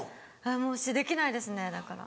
もうできないですねだから。